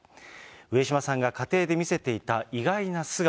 上島さんが家庭で見せていた意外な素顔。